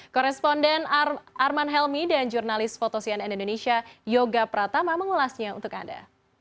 korresponden arman helmi dan jurnalis fotosian indonesia yoga pratama mengulasnya untuk anda